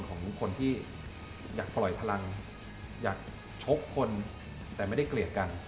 ของคนที่อยากปล่อยพลังอยากชกคนแต่ไม่ได้เกลียดกัน